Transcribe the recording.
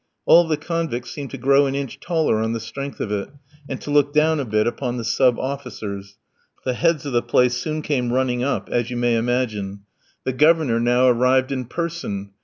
All the convicts seemed to grow an inch taller on the strength of it, and to look down a bit upon the sub officers. The heads of the place soon came running up, as you may imagine. The Governor now arrived in person.